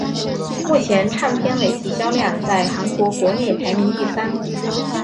目前唱片累计销量在韩国国内排名第三。